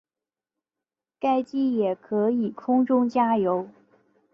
该机也可以空中加油。